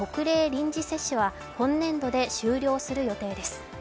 臨時接種は今年度で終了する予定です。